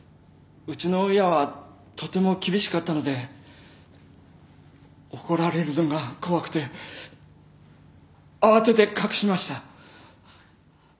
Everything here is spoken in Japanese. うちの親はとても厳しかったので怒られるのが怖くて慌てて隠しました。